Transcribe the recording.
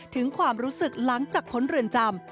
ถึงความรู้สึกหลังจากพ้นเรือนจำ